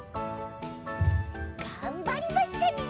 がんばりましたね。